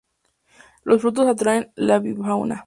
Los frutos atraen la avifauna.